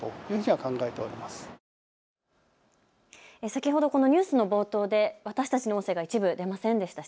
先ほどこのニュースの冒頭で私たちの声が一部出ませんでした。